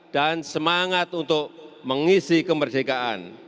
dan semangat untuk mengisi kemerdekaan